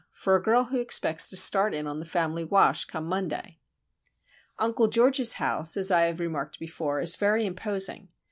for a girl who expects to start in on the family wash come Monday. Uncle George's house, as I have remarked before, is very imposing.